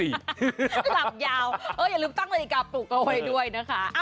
หลับยาวอย่าลืมตั้งนาฬิกาปลูกเอาไว้ด้วยนะคะ